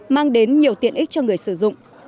mang đến nhiều tiện ích cho người sử dụng